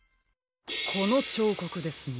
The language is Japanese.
このちょうこくですね。